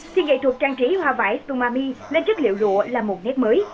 thì nghệ thuật trang trí hoa vải tsumami lên chất liệu lụa là một nét mới